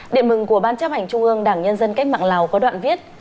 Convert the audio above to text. điện mừng của ban chấp hành trung ương đảng nhân dân cách mạng lào có đoạn viết